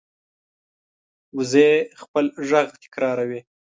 وزې خپل غږ تکراروي